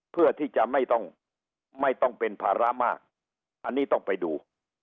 เพื่อที่จะไม่ต้องไม่ต้องเป็นภาระมากอันนี้ต้องไปดู